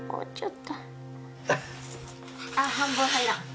あっ半分入らん。